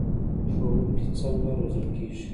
ښوونکي څنګه روزل کیږي؟